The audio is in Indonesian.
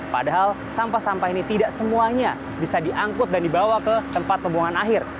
padahal sampah sampah ini tidak semuanya bisa diangkut dan dibawa ke tempat pembuangan akhir